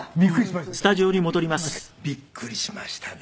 びっくりしましたね。